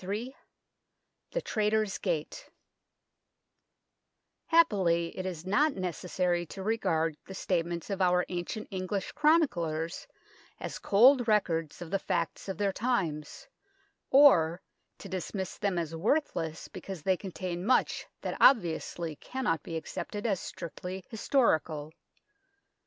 Ill THE TRAITORS' GATE HAPPILY it is not necessary to regard the statements of our ancient English chroniclers as cold records of the facts of their times, or to dismiss them as worthless because they con tain much that obviously cannot be accepted as strictly historical.